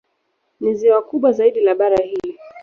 Ni ziwa kubwa zaidi la bara hili.